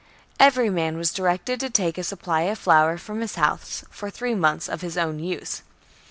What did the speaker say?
Every man was directed to take a supply of flour from his house for three months for his own use.